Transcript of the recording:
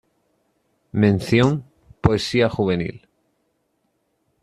Mención, poesía juvenil.